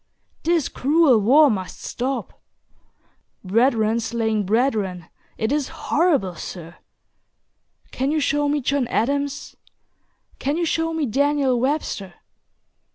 This cruel war must stop. Brethren slaying brethren, it is horrible, Sir. Can you show me John Adams? Can you show me Daniel Webster?